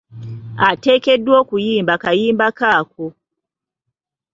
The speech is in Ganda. Ateekeddwa okuyimba kayimba ke ako.